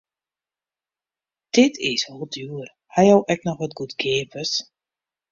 Dit is wol djoer, ha jo ek noch wat goedkeapers?